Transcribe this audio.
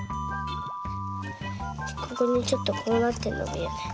ここにちょっとこうなってんのがいや。